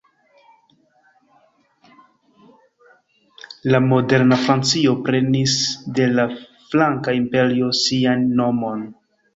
La moderna Francio prenis de la Franka Imperio sian nomon.